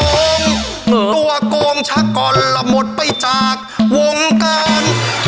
ตัวกงชะกรละหมดไปจากวงการ